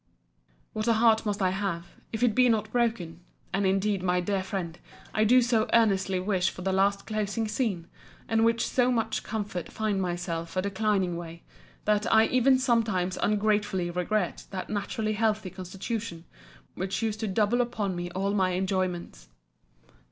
What a heart must I have, if it be not broken—and indeed, my dear friend, I do so earnestly wish for the last closing scene, and with so much comfort find myself in a declining way, that I even sometimes ungratefully regret that naturally healthy constitution, which used to double upon me all my enjoyments.